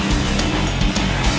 tuh tuh tuh